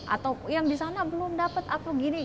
atau yang di sana belum dapat aku gini